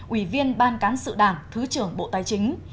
ủy viên ban cán sự đảng thứ trưởng bộ tài chính